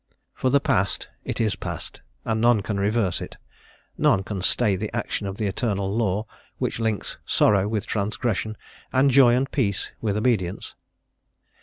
For the past, it is past, and none can reverse it; none can stay the action of the eternal law which links sorrow with transgression, and joy and peace with obedience.